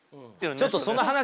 ちょっとその話をね